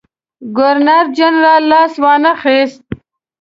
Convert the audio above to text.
ګورنرجنرال لاس وانه خیست.